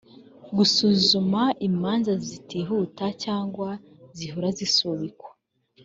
gusuzuma imanza zitihuta cyangwa zihora zisubikwa